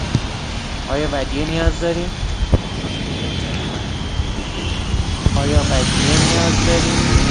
آیا ودیعه نیاز دارید؟